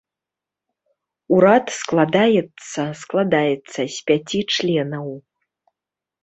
Урад складаецца складаецца з пяці членаў.